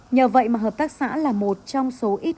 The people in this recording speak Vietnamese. nhờ vậy mà hợp tác xã là một trong số ít